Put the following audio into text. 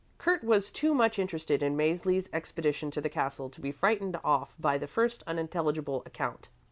Kurt was too much interested in Mäzli's expedition to the castle to be frightened off by the first unintelligible account.